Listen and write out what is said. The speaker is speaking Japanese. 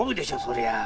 そりゃあ。